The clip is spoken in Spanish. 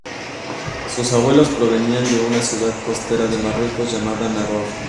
Sus abuelos provenían de una ciudad costera de Marruecos llamada Nador.